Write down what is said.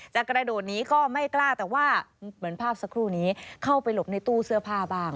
กระโดดนี้ก็ไม่กล้าแต่ว่าเหมือนภาพสักครู่นี้เข้าไปหลบในตู้เสื้อผ้าบ้าง